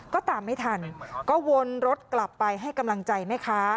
ก็ตามไม่ทันก็วนรถกลับไปให้กำลังใจแม่ค้า